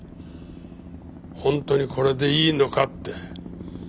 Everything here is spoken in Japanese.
本当にこれでいいのかって。